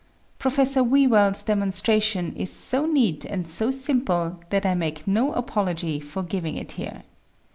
Professor Whewell's demonstration is so neat and so simple that I make no apology for giving it here.